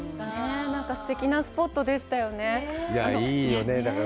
すてきなスポットでしたよね。